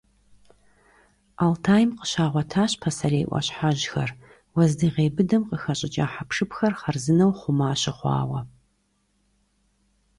Алтайм къыщагъуэтащ пасэрей Ӏуащхьэжьхэр, уэздыгъей быдэм къыхэщӀыкӀа хьэпшыпхэр хъарзынэу хъума щыхъуауэ.